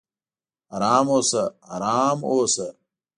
"ارام اوسه! ارام اوسه!"